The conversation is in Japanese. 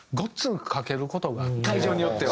会場によっては？